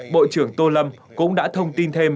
bộ trưởng tô lâm cũng đã thông tin thêm